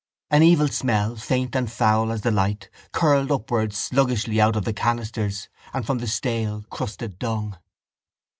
An evil smell, faint and foul as the light, curled upwards sluggishly out of the canisters and from the stale crusted dung.